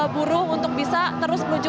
buruh untuk bisa terus menuju